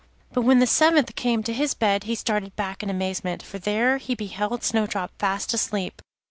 But when the seventh came to his bed, he started back in amazement, for there he beheld Snowdrop fast asleep.